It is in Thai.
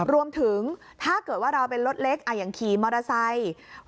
ถ้าเกิดว่าเราเป็นรถเล็กอย่างขี่มอเตอร์ไซค์